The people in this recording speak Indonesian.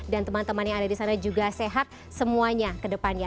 dan teman teman yang ada disana juga sehat semuanya kedepannya